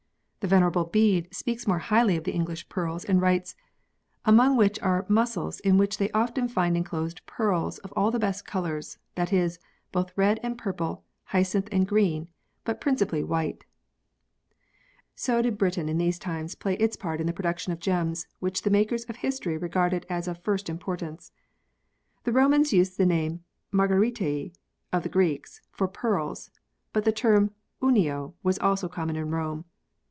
The Venerable Bede speaks more highly of the English pearls, and writes :" among which are mussels in which they often find enclosed pearls of all the best colours that is, both red and purple, jacynth and green, but principally white." So did Britain in these times play its part in the production of gems, which the makers of history regarded as of first importance. The Romans used the name margaritae (of the Greeks), for pearls, but the term Unio was also common in Rome.